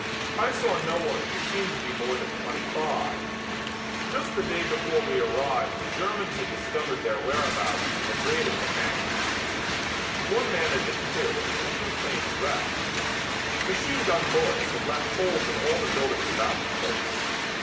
I saw no one who seemed to be more than twenty five. Just the day before we arrived the Germans had discovered their whereabouts and had raided the hangars. One man had been killed and two planes wrecked. Machine gun bullets had left holes in all the buildings about the place.